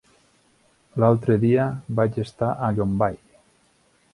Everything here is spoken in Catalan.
L'altre dia vaig estar a Llombai.